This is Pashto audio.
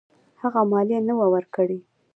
هغه مالیه نه وه ورکړې.